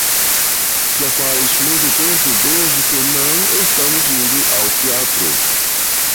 Já faz muito tempo desde que não estamos indo ao teatro.